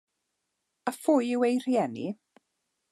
A phwy yw ei rhieni?